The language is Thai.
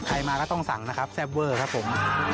มาก็ต้องสั่งนะครับแซ่บเวอร์ครับผม